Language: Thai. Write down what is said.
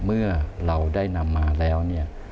เมื่อเราได้นำมาแล้วเนี่ย